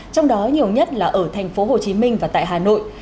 trong đó nhiều nhất là ở thành phố hồ chí minh và tại hà nội